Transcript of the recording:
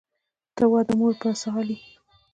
ته وا د مور به یې څه حال وي.